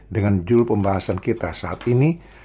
dengan jul pembahasan kita saat ini